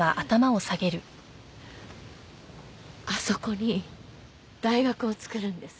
あそこに大学を作るんです。